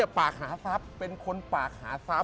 ปากหาทรัพย์เป็นคนปากหาทรัพย